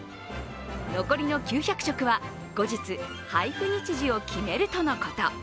残りの９００食は後日配布日時を決めるとのこと。